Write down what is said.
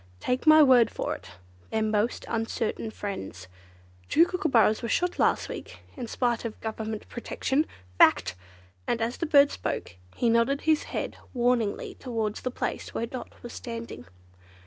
Take my word for it, they're most uncertain friends. Two Kookooburras were shot last week, in spite of Government protection. Fact!" And as the bird spoke he nodded his head warningly towards the place where Dot was standing.